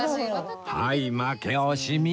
はい負け惜しみ